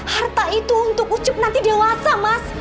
harta itu untuk ucup nanti dewasa mas